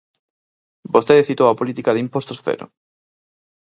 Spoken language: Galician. Vostede citou a política de impostos cero.